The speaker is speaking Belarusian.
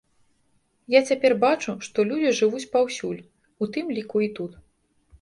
Я цяпер бачу, што людзі жывуць паўсюль, у тым ліку і тут.